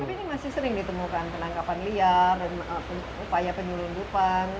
tapi ini masih sering ditemukan penangkapan liar dan upaya penyelundupan